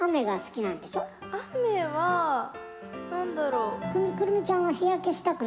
雨は何だろう。